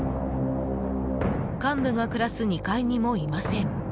幹部が暮らす２階にもいません。